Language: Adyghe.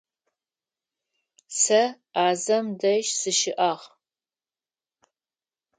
Сэ Ӏазэм дэжь сыщыӀагъ.